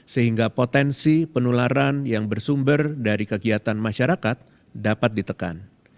sehingga potensi penularan yang bersumber dari kegiatan masyarakat dapat ditekan